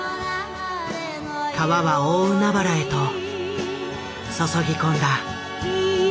川は大海原へと注ぎ込んだ。